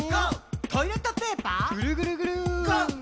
「トイレットペーパーＧＯＧＯＧＯ」ぐるぐるぐる！